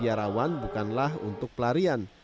menjadi biarawan bukanlah untuk pelarian